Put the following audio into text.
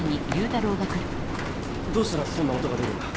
どうしたらそんな音が出るんだ？